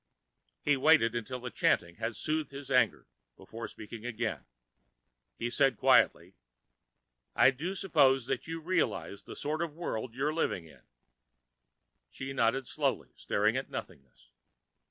He waited until the chanting had soothed his anger, before speaking again. He said quietly, "I do suppose you still realize the sort of world you're living in?" She nodded slowly, staring at nothingness.